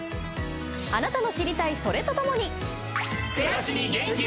あなたの知りたい「それ！」と共に。